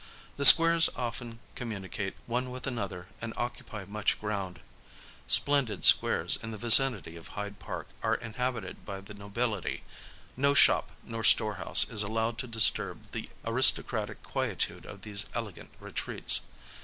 The squares often communi cate one with another and occupy much ground. Splendid squares in the vicinity of Hyde Park are inhabited by the nobility : no shop nor storehouse is allowed to disturb the aristocratic quietude of these elegant retreats.